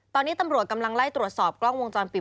ตอนนี้ตำรวจกำลังไล่ตรวจสอบกล้องวงจรปิด